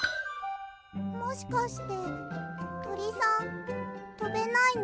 もしかしてとりさんとべないの？